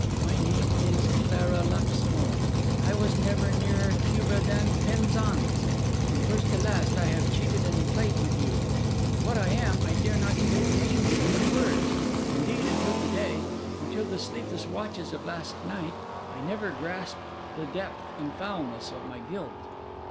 My name is Clara Luxmore. I was never nearer Cuba than Penzance. From first to last I have cheated and played with you. And what I am I dare not even name to you in words. Indeed, until to day, until the sleepless watches of last night, I never grasped the depth and foulness of my guilt.